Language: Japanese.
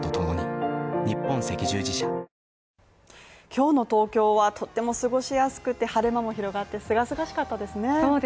今日の東京は、とても過ごしやすくて晴れ間も広がって、すがすがしかったですね。